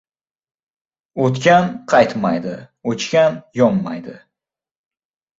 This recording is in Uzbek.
• O‘tgan qaytmaydi, o‘chgan yonmaydi.